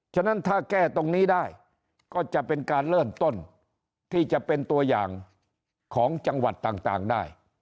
ฉะนั้นถ้าแก้ตรงนี้ได้ก็จะเป็นการเริ่มต้นที่จะเป็นตัวอย่างของจังหวัดต่างได้